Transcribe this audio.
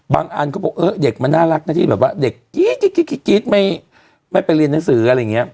อันเขาบอกเออเด็กมันน่ารักนะที่แบบว่าเด็กกรี๊ดไม่ไปเรียนหนังสืออะไรอย่างนี้